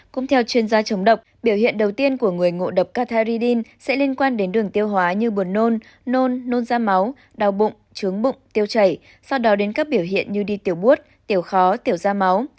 cũng theo chuyên gia chống độc biểu hiện đầu tiên của người ngộ độc cathary sẽ liên quan đến đường tiêu hóa như buồn nôn nôn nôn da máu đau bụng trướng bụng tiêu chảy sau đó đến các biểu hiện như đi tiểu but tiểu khó tiểu da máu